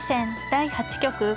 第８局。